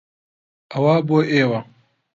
ئەوە بۆ ئێوە.